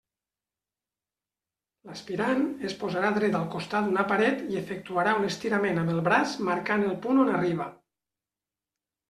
L'aspirant es posarà dret al costat d'una paret i efectuarà un estirament amb el braç marcant el punt on arriba.